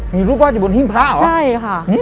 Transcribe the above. มีรูปวาดอยู่บนหิ้งพระเหรอใช่ค่ะ